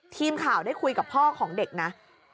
ทีมข่าวได้คุยกับพ่อของเด็กนะ